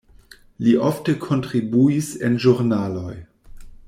Li ofte kontribuis en ĵurnaloj.